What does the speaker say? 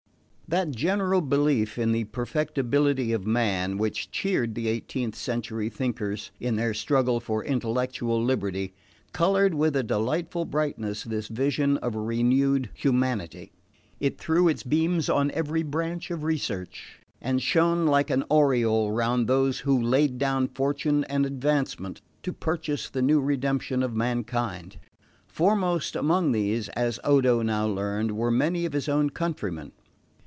That general belief in the perfectibility of man which cheered the eighteenth century thinkers in their struggle for intellectual liberty coloured with a delightful brightness this vision of a renewed humanity. It threw its beams on every branch of research, and shone like an aureole round those who laid down fortune and advancement to purchase the new redemption of mankind. Foremost among these, as Odo now learned, were many of his own countrymen.